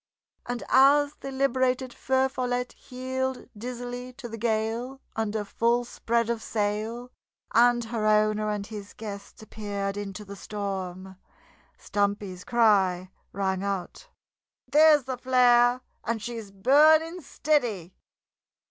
And as the liberated Feu Follette heeled dizzily to the gale, under full spread of sail, and her owner and his guests appeared into the storm, Stumpy's cry rang out: "There's the flare and she's burnin' steady!"